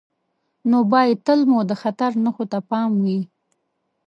نو باید تل مو د خطر نښو ته پام وي.